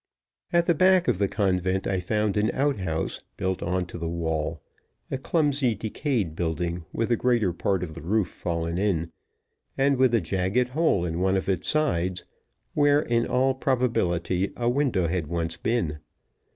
At the back of the convent I found an outhouse, built on to the wall a clumsy, decayed building, with the greater part of the roof fallen in, and with a jagged hole in one of its sides, where in all probability a window had once been.